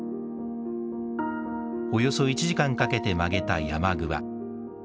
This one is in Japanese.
およそ１時間かけて曲げたヤマグワ。